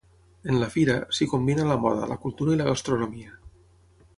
En la fira, s’hi combina la moda, la cultura i la gastronomia.